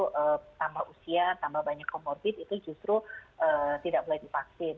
itu tambah usia tambah banyak komorbid itu justru tidak boleh dipaksin